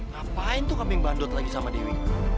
ngapain tuh kambing bandut lagi sama diri